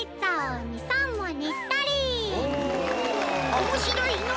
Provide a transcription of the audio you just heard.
おもしろいのう。